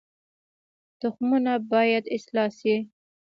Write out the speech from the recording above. تخمونه باید اصلاح شي